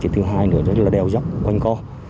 nhưng hai nửa nó rất là đèo dốc quanh co